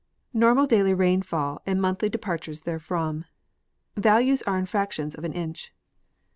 Normal dcdbj Rainfall and monthly Departures therefrom .( Values are infractions of an inch.)